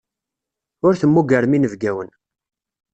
Ur temmugrem inebgawen.